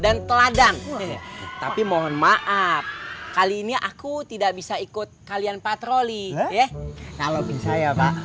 dan teladang tapi mohon maaf kali ini aku tidak bisa ikut kalian patroli ya kalau bisa ya pak